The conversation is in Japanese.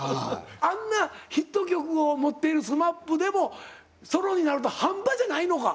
あんなヒット曲を持っているＳＭＡＰでもソロになると半端じゃないのか。